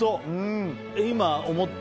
今、思った。